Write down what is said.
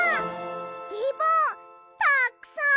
リボンたっくさん！